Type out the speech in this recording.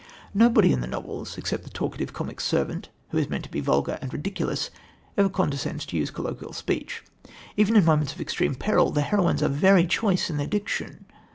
Nobody in the novels, except the talkative, comic servant, who is meant to be vulgar and ridiculous, ever condescends to use colloquial speech. Even in moments of extreme peril the heroines are very choice in their diction.